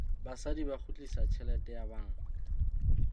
Basadi ba kgutlisa tjhelete ya banka.